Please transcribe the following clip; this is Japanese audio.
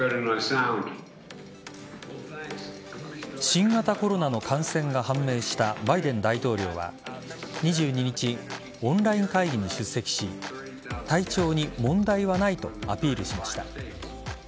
新型コロナの感染が判明したバイデン大統領は２２日、オンライン会議に出席し体調に問題はないとアピールしました。